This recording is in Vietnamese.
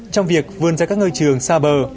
trong việc vươn ra các ngơi trường xa bờ